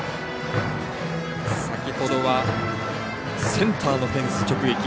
先ほどはセンターのフェンス直撃。